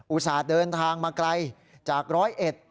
อุตส่าห์เดินทางมาไกลจากร้อยเอ็ด